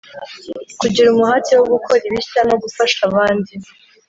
Kugira umuhate wo gukora ibishya no gufasha abandi